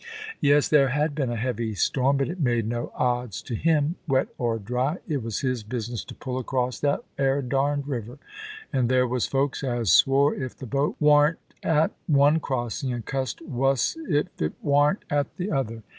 Yes, there Jiad been a heavy storm — but it made no odds to him; wet or dry, it was his business to pull across that 'ere darned river ; and there was folks as swore if the boat warn't at one crossing, and cussed wuss if it warn't at the other.